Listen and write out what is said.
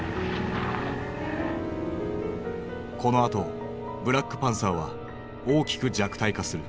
このあとブラックパンサーは大きく弱体化する。